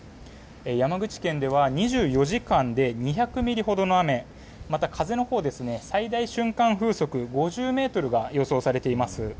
山口県では２４時間で２００ミリほどの雨また風のほう最大瞬間風速５０ｍが予想されています。